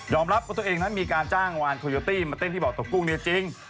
รับว่าตัวเองนั้นมีการจ้างวานโคโยตี้มาเต้นที่บ่อตกกุ้งเนี่ยจริง